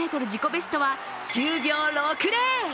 ベストは１０秒６０。